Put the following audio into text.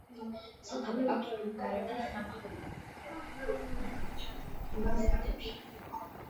სათავე აქვს ბულგარეთის სამხრეთ-დასავლეთ ნაწილში, რილის მთებში.